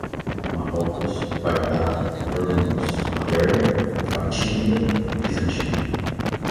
Marrocos, Bagdá, normandos, Palermo, Fatímida, bizantina